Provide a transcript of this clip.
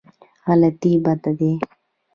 غلطي بد دی.